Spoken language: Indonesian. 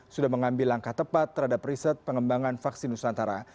sudah mengambil langkah tepat terhadap riset pengembangan vaksin nusantara